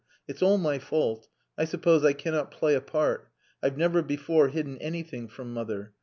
It's all my fault; I suppose I cannot play a part; I've never before hidden anything from mother.